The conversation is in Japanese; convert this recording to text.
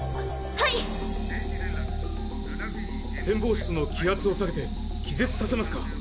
展望室の気圧を下げて気絶させますか？